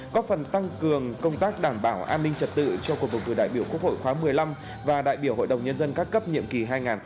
có phần tăng cường công tác đảm bảo an ninh trật tự cho cộng vực của đại biểu quốc hội khóa một mươi năm và đại biểu hội đồng nhân dân các cấp nhiệm kỳ hai nghìn hai mươi một hai nghìn hai mươi sáu